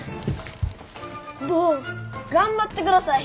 坊頑張ってください。